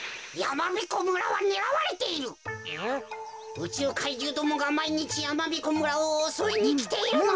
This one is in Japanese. うちゅう怪獣どもがまいにちやまびこ村をおそいにきているのだってか。